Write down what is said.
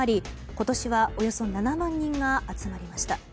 今年は、およそ７万人が集まりました。